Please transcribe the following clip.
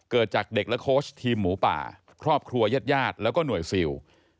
เกิดจากเด็กและโค้ชทีมหมูป่าครอบครัวยาดแล้วก็หน่วยซิล